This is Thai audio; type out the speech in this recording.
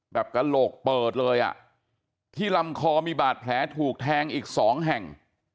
กระโหลกเปิดเลยอ่ะที่ลำคอมีบาดแผลถูกแทงอีกสองแห่ง